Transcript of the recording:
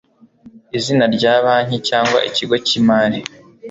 izina rya banki cyangwa ikigo cy imari